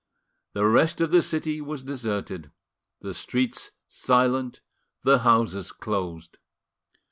The rest of the city was deserted, the streets silent, the houses closed.